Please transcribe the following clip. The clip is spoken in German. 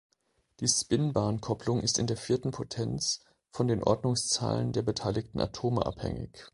Die Spin-Bahn-Kopplung ist in der vierten Potenz von den Ordnungszahlen der beteiligten Atome abhängig.